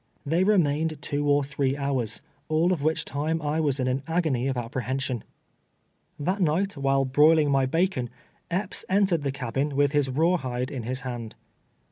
They remained two or three hours, all of which time I was in an ag ony of apprehension. That night, while broiling my bacon, Epps entered the cabin with his rawhide in his hand.